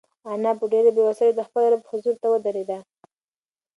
انا په ډېرې بېوسۍ سره د خپل رب حضور ته ودرېده.